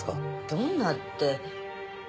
どんなって。